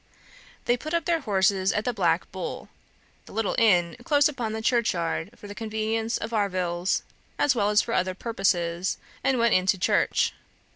They put up their horses at the Black Bull the little inn close upon the churchyard, for the convenience of arvills as well as for other purposes and went into church.